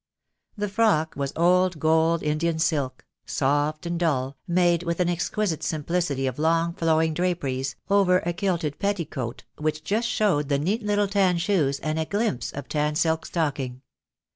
The frock was old gold Indian silk, soft and dull, made with an exquisite simplicity of long flowing draperies, over a kilted petticoat which just showed the neat little tan shoes, and a glimpse of tan silk stocking.